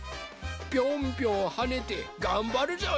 ピョンピョンはねてがんばるぞい！